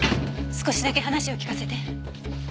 少しだけ話を聞かせて。